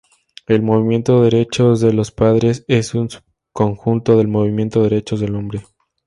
El movimiento derechos de los padres es un subconjunto del movimiento derechos del hombre.